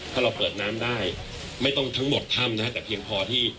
ถ้าเราเปิดน้ำได้ไม่ต้องทั้งหมดถ้ำนะฮะแต่เพียงพอที่